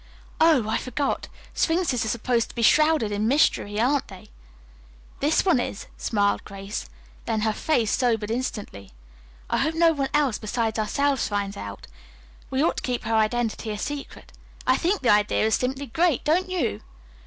"Oh, I forgot. Sphinxes are supposed to be shrouded in mystery, aren't they?" "This one is," smiled Grace. Then her face sobered instantly. "I hope no one else besides ourselves finds out. We ought to keep her identity a secret. I think the idea is simply great, don't you?"